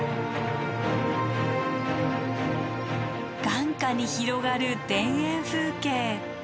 眼下に広がる田園風景。